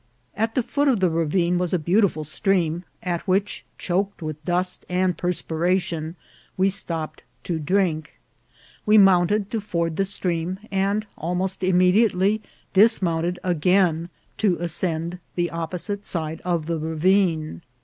At the foot of the ra vine was a beautiful stream, at which, choked with dust and perspiration, we stopped to drink. We mounted to ford the stream, and almost immediately dismounted again to ascend the opposite side of the ravine.